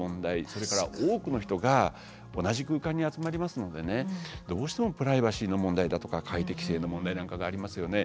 それから多くの人が同じ空間に集まりますのでどうしてもプライバシーの問題だとか快適性の問題なんかがありますよね。